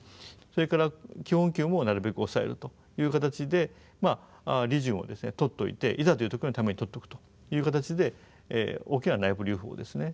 それから基本給もなるべく抑えるという形で利潤を取っといていざという時のために取っとくという形で大きな内部留保をですね